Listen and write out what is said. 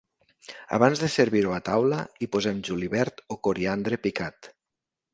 Abans de servir-ho a taula, hi posem julivert o coriandre picat.